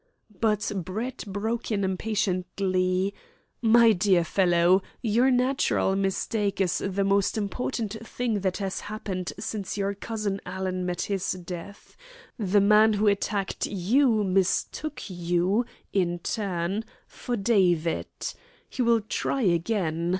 But Brett broke in impatiently: "My dear fellow, your natural mistake is the most important thing that has happened since your cousin Alan met his death. The man who attacked you mistook you, in turn, for David. He will try again.